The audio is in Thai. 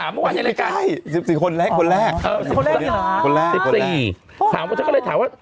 มีแฟนต่างจากเทปเองไม่ใช่สิบสี่คนแรก